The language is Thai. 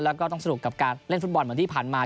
แล้วก็ต้องสนุกกับการเล่นฟุตบอลเหมือนที่ผ่านมา